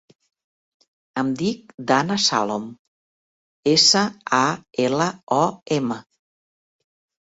Em dic Danna Salom: essa, a, ela, o, ema.